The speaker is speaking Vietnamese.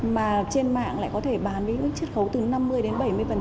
mà trên mạng lại có thể bán với chất khấu từ năm mươi đến bảy mươi